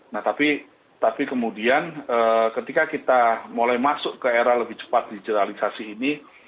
nah tapi kemudian ketika kita mulai masuk ke era lebih cepat digitalisasi ini